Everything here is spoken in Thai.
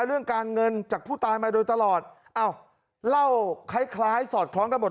เรื่องการเงินจากผู้ตายมาโดยตลอดอ้าวเล่าคล้ายคล้ายสอดคล้องกันหมด